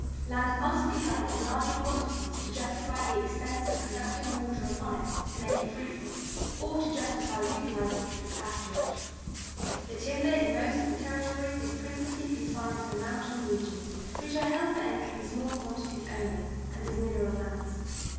Land must be held in larger quantities to justify the expense of conducting water upon it to make it fruitful, or to justify utilizing it as pasturage. The timber in most of the Territories is principally confined to the mountain regions, which are held for entry in small quantities only, and as mineral lands.